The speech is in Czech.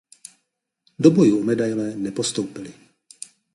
Do bojů o medaile nepostoupili.